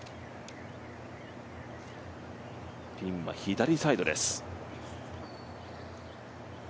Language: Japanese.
ピンは左サイドです。